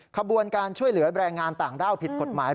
ขบวนการช่วยเหลือแรงงานต่างด้าวผิดกฎหมาย